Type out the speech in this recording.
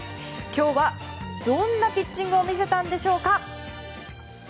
今日は、どんなピッチングを見せたんでしょうか。